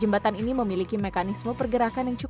jembatan ini memiliki mekanisme berkualitas yang sangat menarik